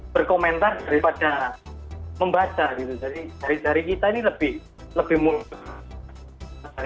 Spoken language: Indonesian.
berkomentar daripada membaca gitu jadi dari kita ini lebih lebih mudah